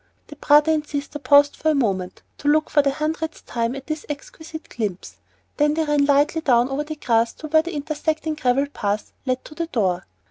The brother and sister paused a moment to look for the hundredth time at this exquisite glimpse. Then they ran lightly down over the grass to where an intersecting gravel path led to the door.